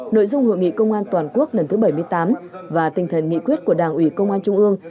nội dung hội nghị công an toàn quốc lần thứ bảy mươi tám và tinh thần nghị quyết của đảng ủy công an trung ương